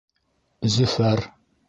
Зөфәр: